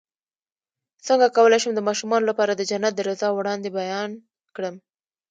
څنګه کولی شم د ماشومانو لپاره د جنت د رضا وړاندې بیان کړم